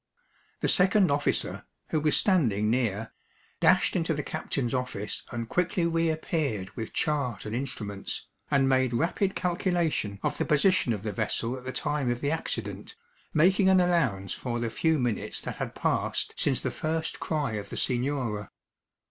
The second officer, who was standing near, dashed into the captain's office and quickly reappeared with chart and instruments, and made rapid calculation of the position of the vessel at the time of the accident, making an allowance for the few minutes that had passed since the first cry of the signora.